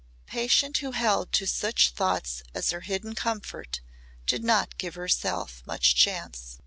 A patient who held to such thoughts as her hidden comfort did not give herself much chance.